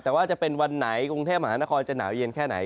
แต่ว่าจะเป็นวันไหนกรุงเทพมหานครจะหนาวเย็นแค่ไหน